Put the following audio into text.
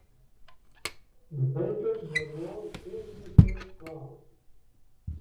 The baker(s) that won in the first round.